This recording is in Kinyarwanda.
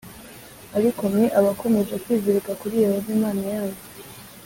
Ariko mwe abakomeje kwizirika kuri Yehova Imana yanyu,